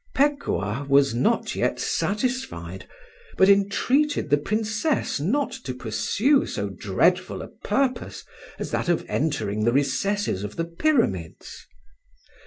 Pekuah was not yet satisfied, but entreated the Princess not to pursue so dreadful a purpose as that of entering the recesses of the Pyramids.